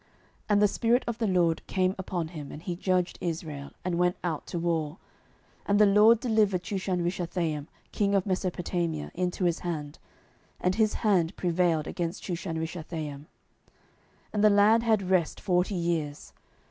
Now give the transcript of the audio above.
07:003:010 And the Spirit of the LORD came upon him, and he judged Israel, and went out to war: and the LORD delivered Chushanrishathaim king of Mesopotamia into his hand; and his hand prevailed against Chushanrishathaim. 07:003:011 And the land had rest forty years.